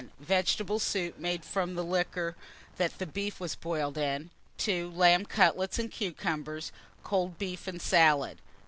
Vegetable soup, made from liquor that beef was boiled in. 2. Lamb cutlets and cucumbers, cold beef and salad.